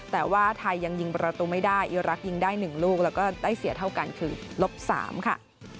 แต่ว่าไทยยังยิงประตูไม่ได้อีรักษ์ยิงได้๑ลูกแล้วก็ได้เสียเท่ากันคือลบ๓ค่ะ